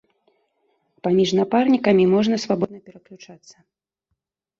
Паміж напарнікамі можна свабодна пераключацца.